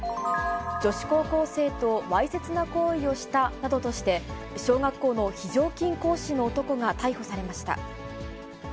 女子高校生とわいせつな行為をしたなどとして、小学校の非常勤講師の男が逮捕されました。